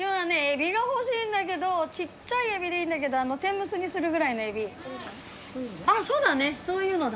エビが欲しいんだけどちっちゃいエビでいいんだけど天むすにするぐらいのエビこういうの？